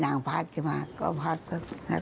อย่างขนมเนี้ยครับคุณยาย